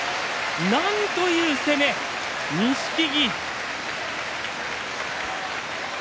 なんという攻め、錦木。